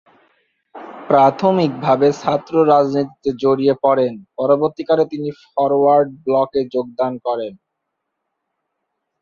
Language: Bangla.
প্রাথমিকভাবে ছাত্র রাজনীতিতে জড়িয়ে পরেন, পরবর্তীকালে তিনি ফরোয়ার্ড ব্লকে যোগদান করেন।